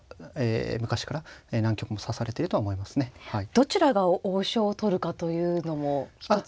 どちらが王将を取るかというのも一つ。